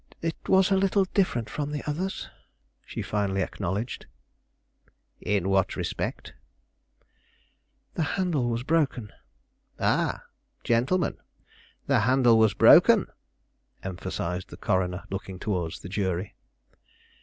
"It was a little different from the others," she finally acknowledged. "In what respect?" "The handle was broken." "Ah, gentlemen, the handle was broken!" emphasized the coroner, looking towards the jury.